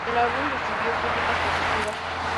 El álbum recibió críticas positivas.